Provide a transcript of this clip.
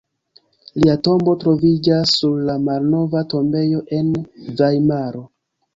Lia tombo troviĝas sur la Malnova tombejo en Vajmaro.